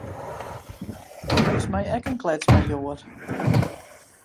Do bist my ek in kletsmajoar.